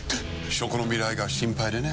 食の未来が心配でね。